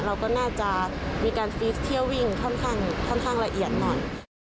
เราก็น่าจะมีการฟีดเที่ยววิ่งค่อนข้างละเอียดหน่อย